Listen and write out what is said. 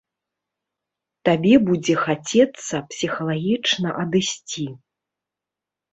Табе будзе хацецца псіхалагічна адысці.